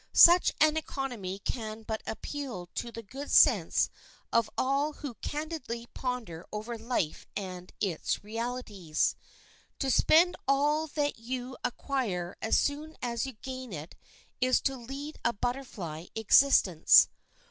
Such an economy can but appeal to the good sense of all who candidly ponder over life and its realities. To spend all that you acquire as soon as you gain it is to lead a butterfly existence.